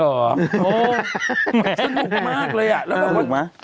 โอ้ไม่เกี่ยวหรอสนุกมากเลยอ่ะ